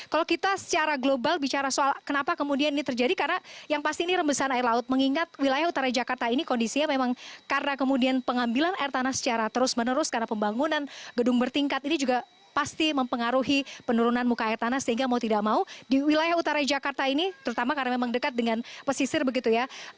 kalau kita secara global bicara soal kenapa kemudian ini terjadi karena yang pasti ini rembesan air laut mengingat wilayah utara jakarta ini kondisinya memang karena kemudian pengambilan air tanah secara terus menerus karena pembangunan gedung bertingkat ini juga pasti mempengaruhi penurunan muka air tanah sehingga mau tidak mau di wilayah utara jakarta ini terutama karena memang dekat dengan pesisir begitu ya